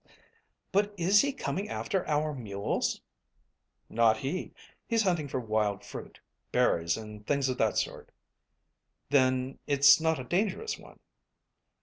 "But is he coming after our mules?" "Not he. He's hunting for wild fruit berries and things of that sort." "Then it's not a dangerous one?"